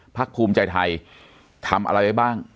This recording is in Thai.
พัทภูมิใจไทยทำอะไรบ้าง